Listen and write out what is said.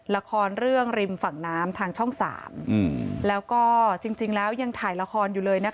ละครเรื่องริมฝั่งน้ำทางช่อง๓แล้วก็จริงแล้วยังถ่ายละครอยู่เลยนะคะ